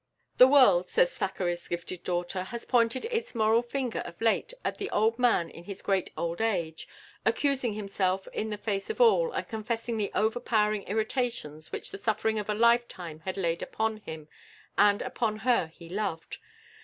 "The world," says Thackeray's gifted daughter, "has pointed its moral finger of late at the old man in his great old age, accusing himself in the face of all, and confessing the overpowering irritations which the suffering of a lifetime had laid upon him and upon her he loved.